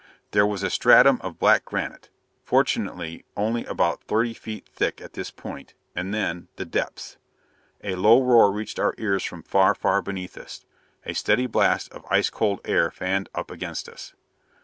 There was a stratum of black granite, fortunately only about thirty feet thick at this point, and then the depths! A low roar reached our ears from far, far beneath us. A steady blast of ice cold air fanned up against us.